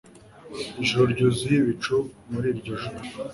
Ijuru ryuzuye ibicu muri iryo joro